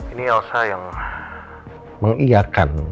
ini elsa yang meng ia kan